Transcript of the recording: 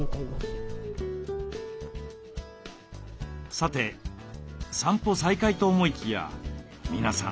さて散歩再開と思いきや皆さん